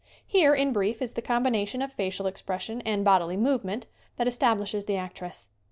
Here, in brief, is the combination of facial expression and bodily movement that estab lishes the actress.